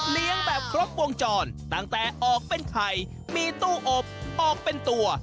แบบครบวงจรตั้งแต่ออกเป็นไข่มีตู้อบออกเป็นตัว